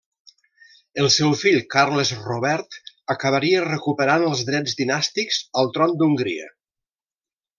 El seu fill Carles Robert acabaria recuperant els drets dinàstics al tron d'Hongria.